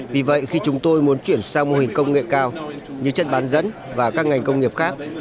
vì vậy khi chúng tôi muốn chuyển sang mô hình công nghệ cao như chân bán dẫn và các ngành công nghiệp khác